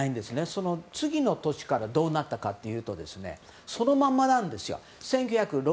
その次の年からどうなったかというとそのままなんですよ。